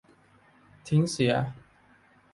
ทิ้งเสีย